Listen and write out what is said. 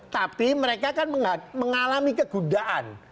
tapi mereka kan mengalami kegundaan